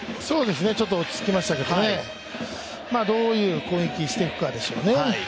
ちょっと落ち着きましたけどどういう攻撃していくかですよね。